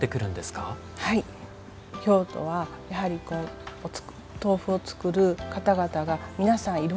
京都はやはり豆腐を作る方々が皆さん